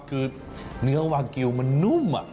คือเนื้อวากิลมันนุ่ม